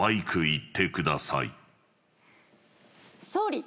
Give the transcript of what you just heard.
総理！